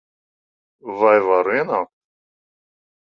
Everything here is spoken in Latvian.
Vai varu ienākt?